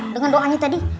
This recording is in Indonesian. dengan doanya tadi